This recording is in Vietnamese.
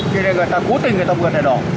thế nên người ta cố tình người ta vượt đèn đỏ